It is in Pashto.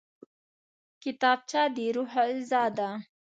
کتابچه د روح غذا ده